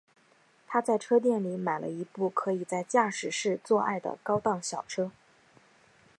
他在车店里买了一部可以在驾驶室做爱的高档小车。